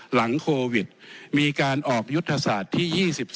หลังโควิดมีการออกยุทธศาสตร์ที่๒๒